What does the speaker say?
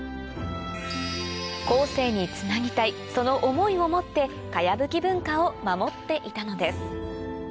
後世につなぎたいその思いを持って茅ぶき文化を守っていたのです